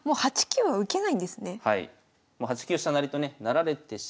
はい。